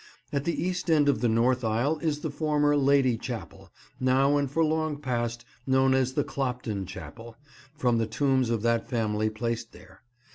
At the east end of the north aisle is the former Lady Chapel, now and for long past known as the Clopton Chapel, from the tombs of that family placed there.